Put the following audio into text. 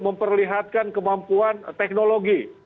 memperlihatkan kemampuan teknologi